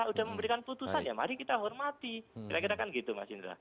sudah memberikan putusan ya mari kita hormati kira kira kan gitu mas indra